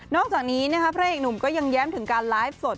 อกจากนี้พระเอกหนุ่มก็ยังแย้มถึงการไลฟ์สด